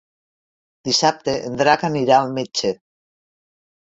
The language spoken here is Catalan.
Dissabte en Drac anirà al metge.